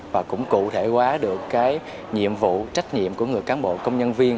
và cũng cụ thể hóa được nhiệm vụ trách nhiệm của người cán bộ công nhân viên